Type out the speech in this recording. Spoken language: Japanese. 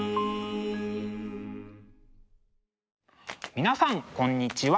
皆さんこんにちは。